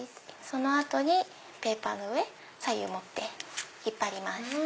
その後にペーパーの左右持って引っ張ります。